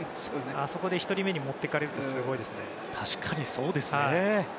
あそこで１人目に持っていかれるって確かに、そうですよね。